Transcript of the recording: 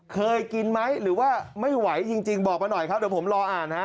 เคยกินไหมหรือว่าไม่ไหวจริงบอกมาหน่อยครับเดี๋ยวผมรออ่านฮะ